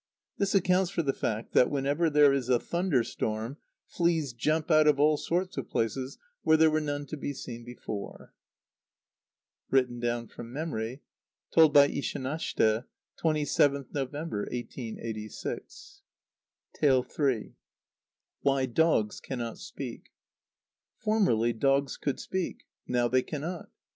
This accounts for the fact that, whenever there is a thunder storm, fleas jump out of all sorts of places where there were none to be seen before. (Written down from memory. Told by Ishanashte, 27th November, 1886.) iii. Why Dogs cannot speak. Formerly dogs could speak. Now they cannot.